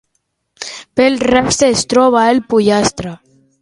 Pel rastre es troba el pollastre.